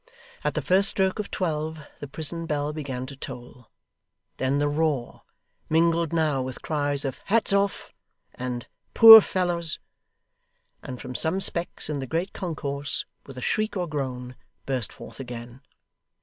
At the first stroke of twelve the prison bell began to toll. Then the roar mingled now with cries of 'Hats off!' and 'Poor fellows!' and, from some specks in the great concourse, with a shriek or groan burst forth again.